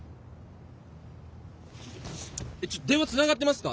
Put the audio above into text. えっちょっと電話つながってますか？